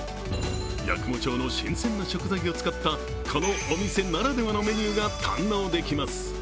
八雲町の新鮮な食材を使ったこのお店ならではのメニューが堪能できます。